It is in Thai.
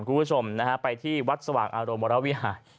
คุณผู้ชมนะฮะไปที่วัดสว่างอารมณ์วรวิหาร